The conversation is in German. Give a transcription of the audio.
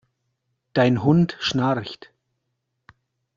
Dein Hund schnarcht!